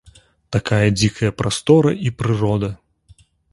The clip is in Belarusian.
Такая дзікая прастора і прырода!